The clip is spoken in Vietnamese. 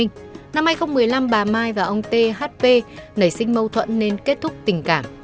năm hai nghìn một mươi năm bà mai và ông t h p nảy sinh mâu thuẫn nên kết thúc tình cảm